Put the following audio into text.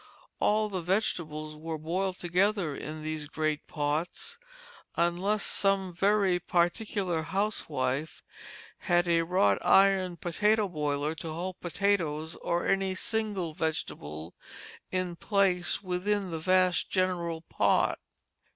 All the vegetables were boiled together in these great pots, unless some very particular housewife had a wrought iron potato boiler to hold potatoes or any single vegetable in place within the vast general pot.